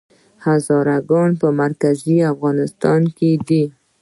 هزاره ګان په مرکزي افغانستان کې دي؟